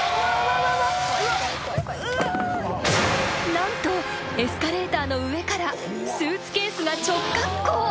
［何とエスカレーターの上からスーツケースが］